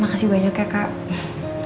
makasih banyak ya kak